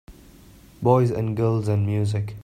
Boys and girls and music.